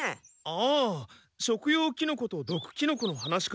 ああ食用キノコと毒キノコの話か。